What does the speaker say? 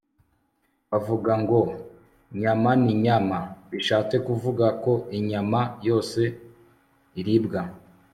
bavuga ngo 'nyama ni nyama' bishatse kuvuga ko inyama yose iribwa''